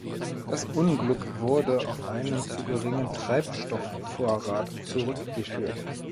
Das Unglück wurde auf einen zu geringen Treibstoffvorrat zurückgeführt.